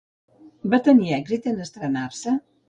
Va tenir èxit en estrenar-se?